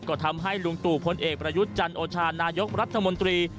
ก็ทำให้ลุงตู่พลเอกประยุทธ์จันโอชานายกรัฐมนตรี